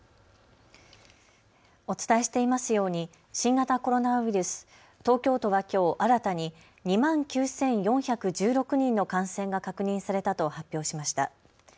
お伝えしていますように新型コロナウイルス、東京都はきょう新たに２万９４１６人の感染が確認されたと発表しました。